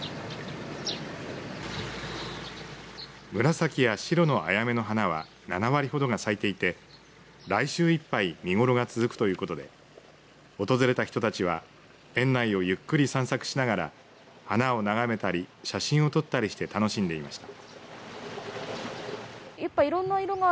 紫や白のアヤメの花は７割ほどが咲いていて来週いっぱい見頃が続くということで訪れた人たちは園内をゆっくり散策しながら花を眺めたり写真を撮ったりして楽しんでいました。